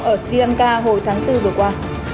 ở sri lanka hồi tháng bốn vừa qua